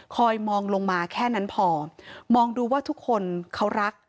มองลงมาแค่นั้นพอมองดูว่าทุกคนเขารัก